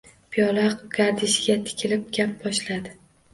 Piyola gardishiga tikilib gap boshladi: